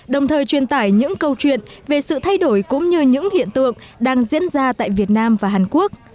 đồng thời truyền tải những câu chuyện về sự thay đổi cũng như những hiện tượng đang diễn ra tại việt nam và hàn quốc